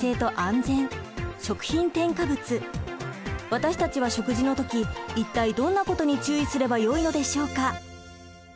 私たちは食事の時一体どんなことに注意すればよいのでしょうか？